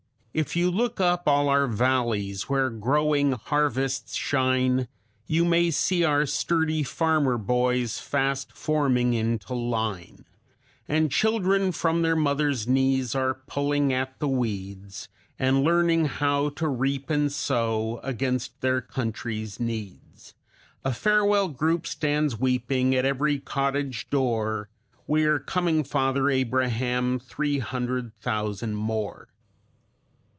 "If you look up all our valleys, where growing harvests shine, You may see our sturdy farmer boys fast forming into line; And children, from their mothers' knees, are pulling at the weeds, And learning how to reap and sow, against their country's needs; A farewell group stands weeping at every cottage door We are coming, Father Abraham three hundred thousand more."